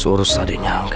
harus urus tadi nya angga